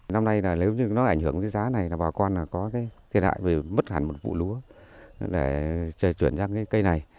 năm nay là nếu như nó ảnh hưởng cái giá này là bà con có cái thiệt hại về mất hẳn một vụ lúa để chờ chuyển sang cái cây này